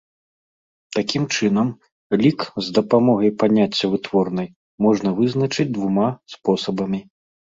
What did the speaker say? Такім чынам, лік з дапамогай паняцця вытворнай можна вызначыць двума спосабамі.